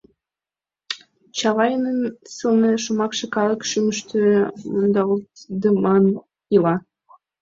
Чавайнын сылне шомакше калык шӱмыштӧ мондалтдымын ила.